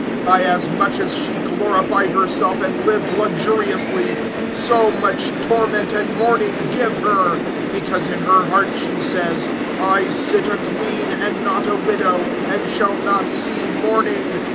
(7)By as much as she glorified herself, and lived luxuriously, so much torment and mourning give her; because in her heart she says: I sit a queen, and not a widow, and shall not see mourning.